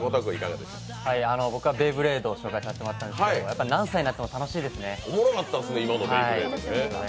僕はベイブレードを紹介させてもらったんですけど何歳になっても楽しいですね。